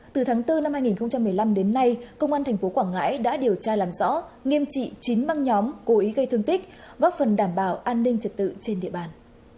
từ tháng bốn năm hai nghìn một mươi năm đến nay công an tp quảng ngãi đã điều tra làm rõ nghiêm trị chín băng nhóm cố ý gây thương tích góp phần đảm bảo an ninh trật tự trên địa bàn